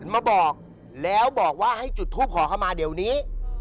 มาบอกแล้วบอกว่าให้จุดทูปขอเข้ามาเดี๋ยวนี้